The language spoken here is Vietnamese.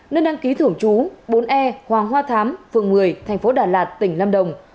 nơi đăng ký thưởng chú bốn e hoàng hoa thám phường một mươi thành phố đà lạt tỉnh lâm đồng